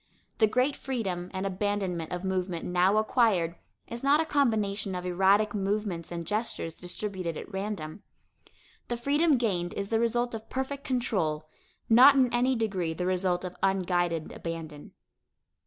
The great freedom and abandonment of movement now acquired is not a combination of erratic movements and gestures distributed at random. The freedom gained is the result of perfect control, not in any degree the result of unguided abandon.